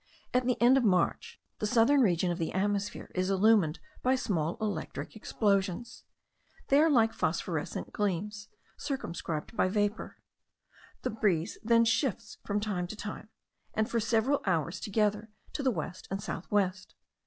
At the end of March, the southern region of the atmosphere is illumined by small electric explosions. They are like phosphorescent gleams, circumscribed by vapour. The breeze then shifts from time to time, and for several hours together, to the west and south west.